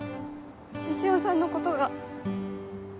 獅子王さんのことが。